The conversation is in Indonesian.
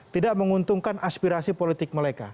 tidak menguntungkan aspirasi politik mereka